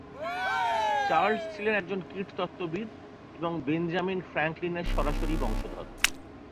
Charles ছিলেন একজন কীটতত্ত্ববিদ এবং বেঞ্জামিন ফ্রাঙ্কলিনের সরাসরি বংশধর।